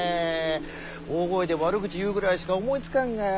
大声で悪口言うぐらいしか思いつかんがや。